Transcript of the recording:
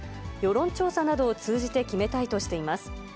世論調査などを通じて決めたいとしています。